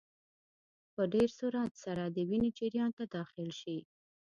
په ډېر سرعت سره د وینې جریان ته داخل شي.